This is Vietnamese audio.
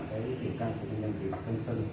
thứ hai là tiền căng của bệnh nhân bị bạc thân sân